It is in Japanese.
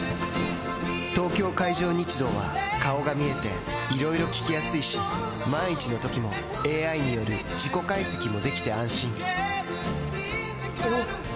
東京海上日動は顔が見えていろいろ聞きやすいし万一のときもＡＩによる事故解析もできて安心おぉ！